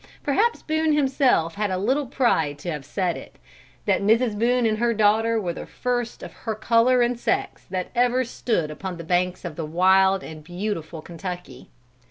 Perhaps Boone himself had a little pride to have it said, that Mrs. Boone and her daughter were the first of her color and sex that ever stood upon the banks of the wild and beautiful Kentucky.